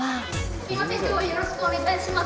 すいません今日はよろしくお願いします。